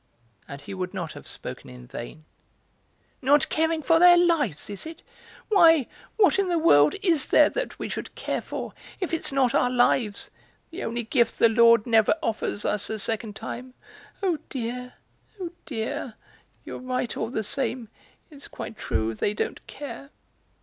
And he would not have spoken in vain. "Not caring for their lives, is it? Why, what in the world is there that we should care for if it's not our lives, the only gift the Lord never offers us a second time? Oh dear, oh dear; you're right all the same; it's quite true, they don't care!